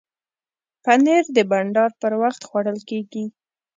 پنېر د بانډار پر وخت خوړل کېږي.